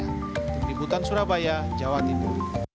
peniputan surabaya jawa timur